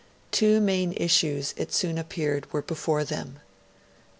Two main issues, it soon appeared, were before them: the.